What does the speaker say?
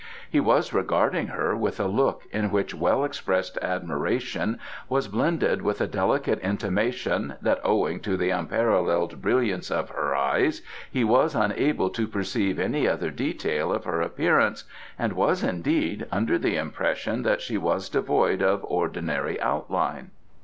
He was regarding her with a look in which well expressed admiration was blended with a delicate intimation that owing to the unparalleled brilliance of her eyes he was unable to perceive any other detail of her appearance, and was, indeed, under the impression that she was devoid of ordinary outline.